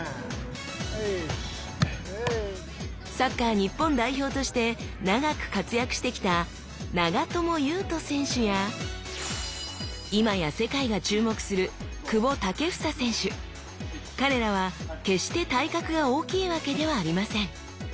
サッカー日本代表として長く活躍してきた長友佑都選手や今や世界が注目する彼らは決して体格が大きいわけではありません。